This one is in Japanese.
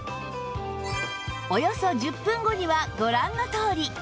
およそ１０分後にはご覧のとおり